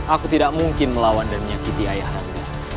aku tidak mungkin melawan dan menyakiti ayahan